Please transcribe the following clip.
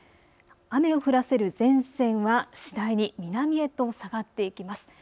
雨を降らせる前線は次第に南へと下がっていきます。